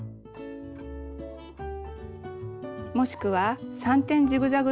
もしくは３点ジグザグ